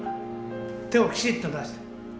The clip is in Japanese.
手をきちっと出して。